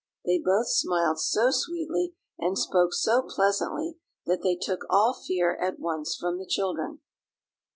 They both smiled so sweetly, and spoke so pleasantly, that they took all fear at once from the children.